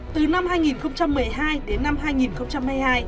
từ năm hai nghìn một mươi hai đến năm hai nghìn hai mươi hai